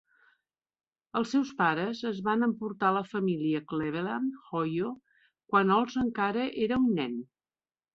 Els seus pares es van emportar la família a Cleveland, Ohio, quan Olds encara era un nen.